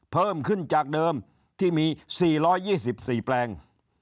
เพิ่มขึ้นจากเดิมที่มี๔๒๔แปลง